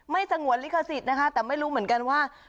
สงวนลิขสิทธิ์นะคะแต่ไม่รู้เหมือนกันว่า